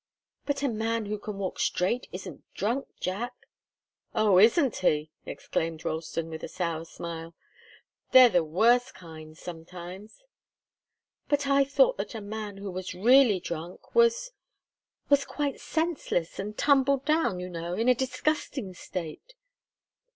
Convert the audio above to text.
"But a man who can walk straight isn't drunk, Jack " "Oh, isn't he!" exclaimed Ralston, with a sour smile. "They're the worst kind, sometimes " "But I thought that a man who was really drunk was was quite senseless, and tumbled down, you know in a disgusting state."